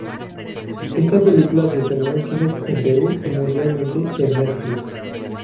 Esta película se estrenó en cines en Perú y mundialmente en Netflix.